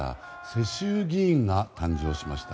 世襲議員が誕生しました。